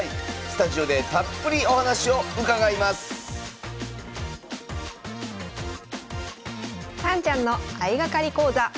スタジオでたっぷりお話を伺いますさんちゃんの相掛かり講座。